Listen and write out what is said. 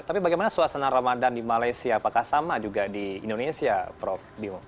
tapi bagaimana suasana ramadan di malaysia apakah sama juga di indonesia prof bio